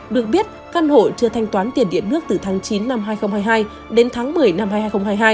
được biết căn hộ chưa thanh toán tiền điện nước từ tháng chín năm hai nghìn hai mươi hai đến tháng một mươi năm hai nghìn hai mươi hai